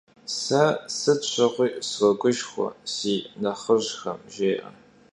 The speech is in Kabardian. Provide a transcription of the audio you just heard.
Se sıt şığui sroguşşxue si nexhıjxem, - jjê'e.